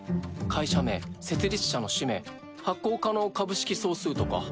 会社名設立者の氏名発行可能株式総数とか。